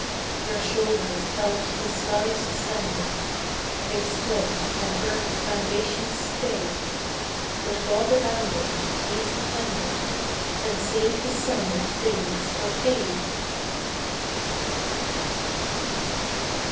Their shoulders held the sky suspended; They stood, and earth's foundations stay; What God abandoned, these defended, And saved the sum of things for pay.